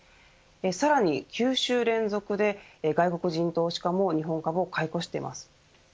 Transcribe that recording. さらに９週連続で外国人投資家も日本株を買い越しています。